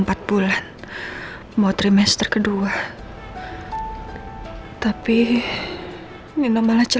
kapanpun aku mau